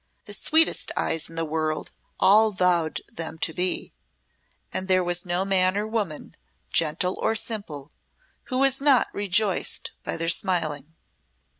The sweetest eyes in the world, all vowed them to be; and there was no man or woman, gentle or simple, who was not rejoiced by their smiling.